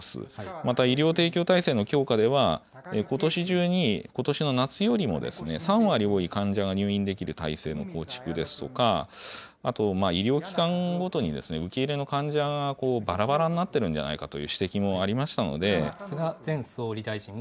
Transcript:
また医療提供体制の強化では、ことし中に、ことしの夏よりも３割多い患者が入院できる体制の構築ですとか、あと医療機関ごとに、受け入れの患者がばらばらになってるんじゃないかという指摘もありましたので。